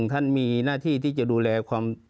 ท่านมีหน้าที่ที่จะดูแลความ